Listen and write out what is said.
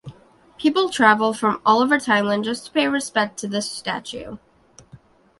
People travel from all over Thailand just to pay respect to this statue.